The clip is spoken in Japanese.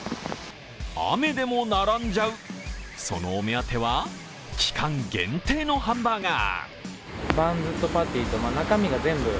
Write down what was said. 雨でも並んじゃう、そのお目当ては期間限定のハンバーガー。